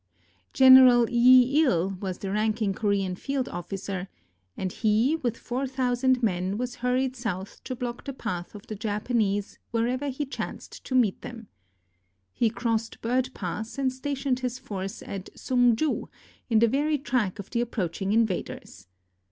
General Yi II was the ranking Korean field officer, and he with four thousand men was hurried south to block the path of the Japanese wherever he chanced to meet them. He crossed Bird Pass and stationed his force at Sung ju, in the very track of the approaching invaders.